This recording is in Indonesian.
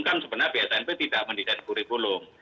kan sebenarnya bsnp tidak mendesain kurikulum